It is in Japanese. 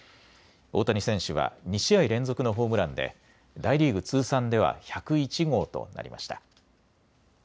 大谷選手は２試合連続のホームランで大リーグ通算では１０１号となりました。